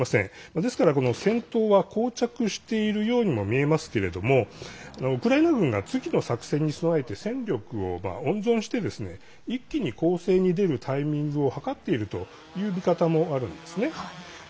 ですから、この戦闘はこう着しているようにもみえますけれどもウクライナ軍が次の作戦に備えて戦力を温存して一気に攻勢に出るタイミングを計っているという見方もあるんですね。